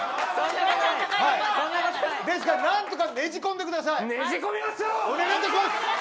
ですから何とかねじ込んでください。